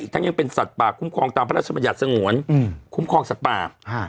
ทั้งยังเป็นสัตว์ป่าคุ้มครองตามพระราชบัญญัติสงวนคุ้มครองสัตว์ป่า